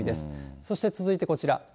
そして続いてこちら。